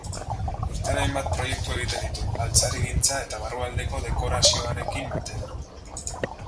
Urtero hainbat proiektu egiten ditu, altzarigintza eta barrualdeko dekorazioarekin batera.